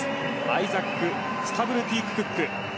アイザック・スタブルティ・クック。